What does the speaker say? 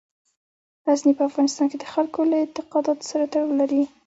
غزني په افغانستان کې د خلکو له اعتقاداتو سره تړاو لري.